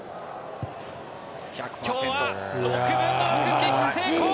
きょうは６分の６キック成功。